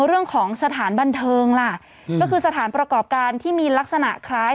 เรื่องของสถานบันเทิงล่ะก็คือสถานประกอบการที่มีลักษณะคล้าย